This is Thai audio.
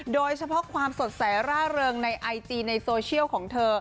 โดยเฉพาะความสดใสร่าเริงในไอจีในโซเชียลของเธอ